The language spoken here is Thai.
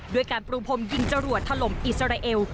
ด้วยการปรุงพรมยิงจรวดถล่มอิสราเอล